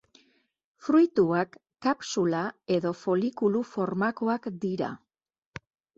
Fruituak kapsula- edo folikulu-formakoak dira.